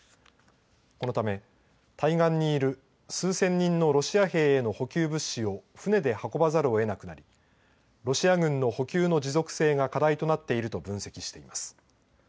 このため対岸にいる数千人のロシア兵への補給物資を船で運ばざるを得なくなりロシア軍の補給の持続性が課題となっていると分析しています。